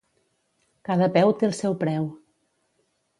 Cada peu té el seu preu.